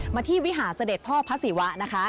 ที่วิหารเสด็จพ่อพระศิวะนะคะ